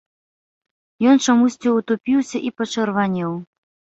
Ён чамусьці ўтупіўся і пачырванеў.